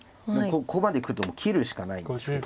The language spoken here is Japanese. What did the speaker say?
ここまでくると切るしかないんですけど。